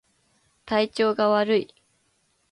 体調が悪い